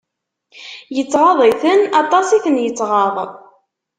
Yettɣaḍ-iten, aṭas i ten-yettɣaḍ.